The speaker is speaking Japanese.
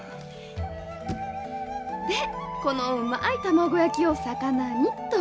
でこのうまい卵焼きを肴にと。